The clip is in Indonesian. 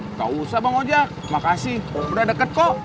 nggak usah bang oja makasih udah deket kok